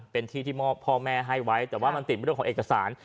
เป็นที่ที่มอบพ่อแม่ให้ไว้แต่ว่ามันติดเรื่องของเอกสาร